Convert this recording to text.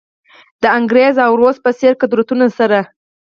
د انګریز او روس په څېر قدرتونو سره.